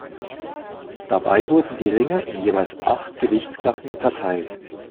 Dabei wurden die Ringer in jeweils acht Gewichtsklassen unterteilt.